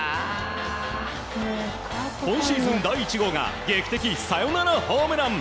今シーズン第１号が劇的サヨナラホームラン！